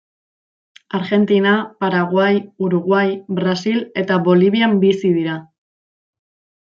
Argentina, Paraguai, Uruguai, Brasil eta Bolivian bizi dira.